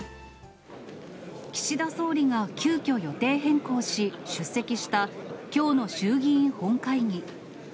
岸田総理が急きょ、予定変更し、出席したきょうの衆議院本会議。